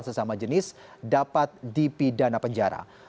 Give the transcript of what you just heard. sesama jenis dapat dipidana penjara